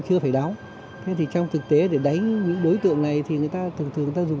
chưa phải đóng thế thì trong thực tế để đánh những đối tượng này thì người ta thường thường người ta dùng